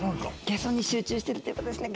ゲソに集中してるっていうことですね。